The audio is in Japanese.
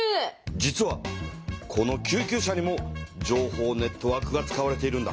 実はこの救急車にも情報ネットワークが使われているんだ。